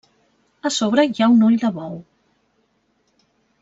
A sobre hi ha un ull de bou.